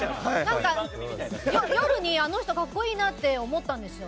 夜にあの人格好いいなと思ったんですよ。